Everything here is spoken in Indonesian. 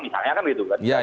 misalnya kan gitu kan